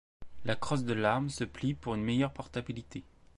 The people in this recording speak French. La crosse de l'arme se plie pour une meilleure portabilité.